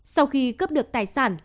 sau khi cướp được tài sản